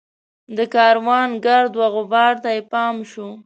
د کاروان ګرد وغبار ته یې پام شو.